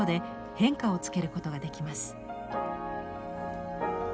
変化をつけることができます。